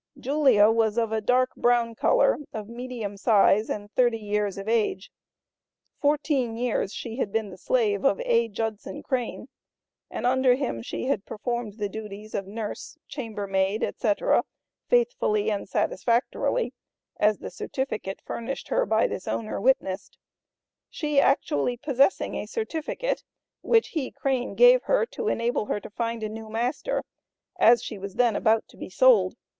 Julia was of a dark brown color, of medium size, and thirty years of age. Fourteen years she had been the slave of A. Judson Crane, and under him she had performed the duties of nurse, chamber maid, etc., "faithfully and satisfactorily," as the certificate furnished her by this owner witnessed. She actually possessing a certificate, which he, Crane, gave her to enable her to find a new master, as she was then about to be sold.